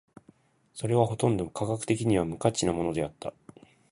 それはほとんど科学的には無価値なものであった。